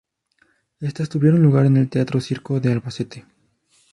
Estas tuvieron lugar en el Teatro Circo de Albacete.